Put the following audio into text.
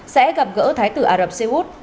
sẽ gặp gỡ thái tử ả rập xê út